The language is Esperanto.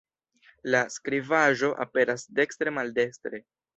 La skribaĵo aperas dekstre-maldestre.